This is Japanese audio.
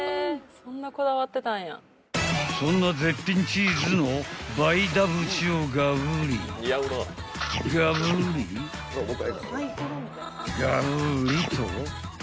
［そんな絶品チーズの倍ダブチをガブリガブリガブリと］